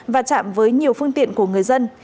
và chạm với nhiều phương tiện của người dân